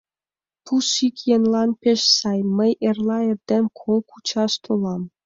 Пуш ик еҥлан пеш сай, мый эрла эрден кол кучаш толам...